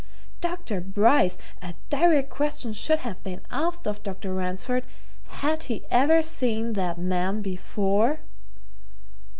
Dr. Bryce! a direct question should have been asked of Dr. Ransford had he ever seen that man before?"